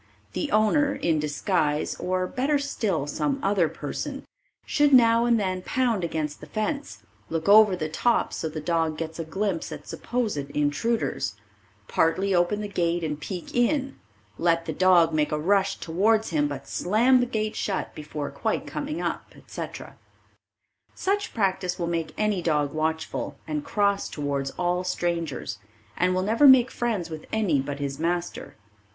The owner, in disguise, or better still some other person, should now and then pound against the fence, look over the top so the dog gets a glimpse at supposed intruders; partly open the gate and peek in, let the dog make a rush towards him but slam gate shut before quite coming up, etc. Such practice will make any dog watchful and cross towards all strangers, and will never make friends with any but his master.